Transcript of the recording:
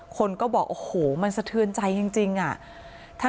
คนก็บอกโอ้โหมันสะเทือนใจจริงอ่ะ